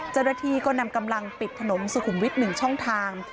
เจ้าหน้าที่ก็นำกำลังปิดถนนสุขุมวิทย์๑ช่องทาง